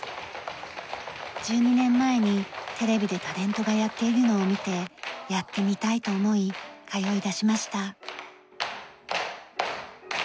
１２年前にテレビでタレントがやっているのを見てやってみたいと思い通いだしました。